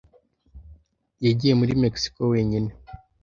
Yagiye muri Mexico wenyine.